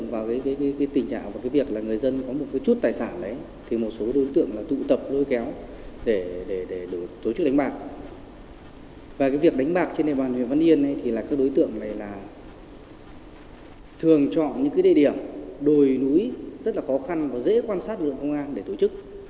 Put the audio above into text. và việc đánh bạc trên đề bàn huyện văn yên thì các đối tượng này là thường chọn những địa điểm đồi núi rất là khó khăn và dễ quan sát được công an để tổ chức